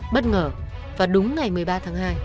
bất ngờ và đúng ngày một mươi ba tháng hai